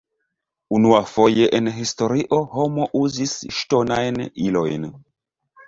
Unuafoje en historio homo uzis ŝtonajn ilojn.